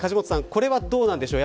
これは、どうなんでしょう。